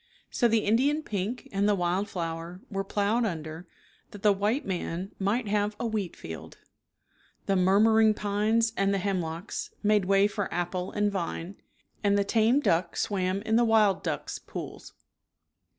So the Indian pink and the wild flower were ploughed under, that the white man might have a wheat field ; the " murmuring pines and the hem locks " made way for apple and vine ; and the tame duck swam in the wild ducks' pools.